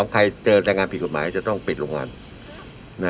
ใครเจอแรงงานผิดกฎหมายจะต้องปิดโรงงาน